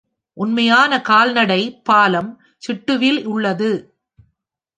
உண்மையான கால்நடை பாலம் சிட்டுவில் உள்ளது.